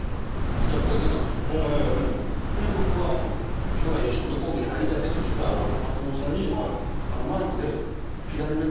僕が「将来吉本興業に入りたいです」っつったら松本さんにマイクで左目。